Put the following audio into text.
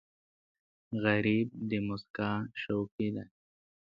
غریب د موسکا شوقي دی